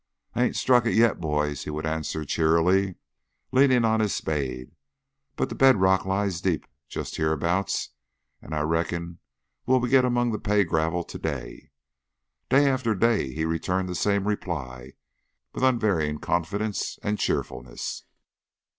"I hain't struck it yet, boys," he would answer cheerily, leaning on his spade, "but the bedrock lies deep just hereabouts, and I reckon we'll get among the pay gravel to day." Day after day he returned the same reply with unvarying confidence and cheerfulness.